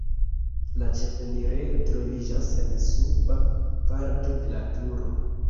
La ĉefenirejo troviĝas en suba parto de la turo.